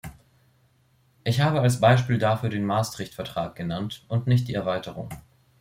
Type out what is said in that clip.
Ich habe als Beispiel dafür den Maastricht-Vertrag genannt, und nicht die Erweiterung.